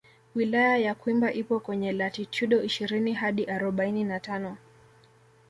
Wilaya ya Kwimba ipo kwenye latitudo ishirini hadi arobaini na tano